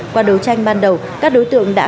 qua đấu tranh ban đầu các đối tượng đã